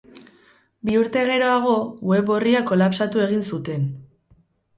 Bi urte geroago, web orria kolapsatu egin zuten.